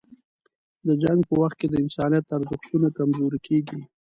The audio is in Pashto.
د جنګ په وخت کې د انسانیت ارزښتونه کمزوري کېږي.